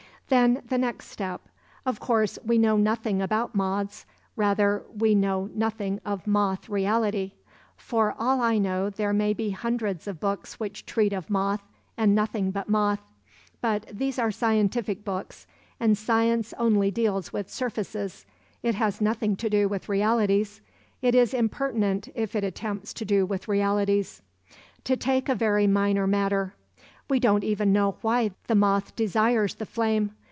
"Then the next step. Of course, we know nothing really about moths; rather, we know nothing of moth reality. For all I know there may be hundreds of books which treat of moth and nothing but moth. But these are scientific books, and science only deals with surfaces; it has nothing to do with realities—it is impertinent if it attempts to do with realities. To take a very minor matter; we don't even know why the moth desires the flame.